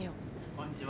こんにちは。